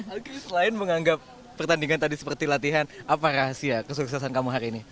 alki selain menganggap pertandingan tadi seperti latihan apa rahasia kesuksesan kamu hari ini